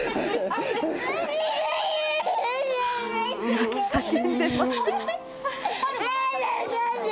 泣き叫んでいます。